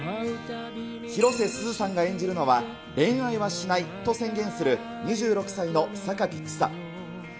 広瀬すずさんが演じるのは、恋愛はしないと宣言する、２６歳の榊千紗。